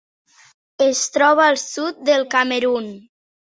Es troba al sud del Camerun.